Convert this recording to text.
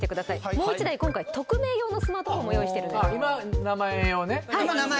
もう一台今回匿名用のスマートフォンも用意してるんで今名前用ね今名前